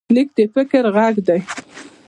لیک د فکر غږ دی.